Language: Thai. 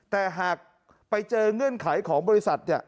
แต่หากไปเจอเงื่อนไขของบริษัทเนี่ย